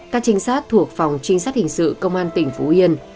các trinh sát thuộc phòng trinh sát hình sự công an tỉnh phú yên